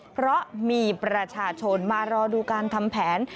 เพราะมีประชาชนมารอดูการทำแผน